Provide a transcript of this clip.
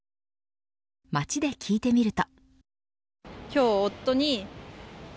街で聞いてみると。